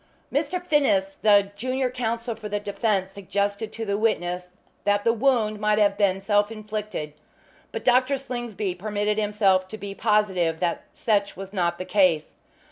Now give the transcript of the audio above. Mr. Finnis, the junior counsel for the defence, suggested to the witness that the wound might have been self inflicted, but Dr. Slingsby permitted himself to be positive that such was not the case.